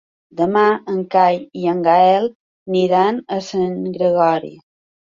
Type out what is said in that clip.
Demà en Cai i en Gaël aniran a Sant Gregori.